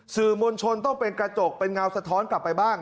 สื่อมวลชนต้องเป็นกระจกเป็นเงาสะท้อนกลับไปบ้าง